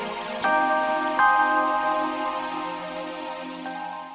dari pada jadi penonton